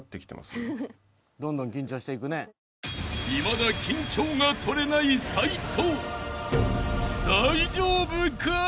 ［いまだ緊張が取れない齊藤］